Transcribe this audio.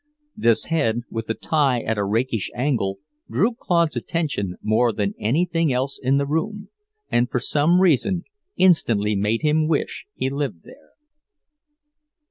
This head, with the tie at a rakish angle, drew Claude's attention more than anything else in the room, and for some reason instantly made him wish he lived there.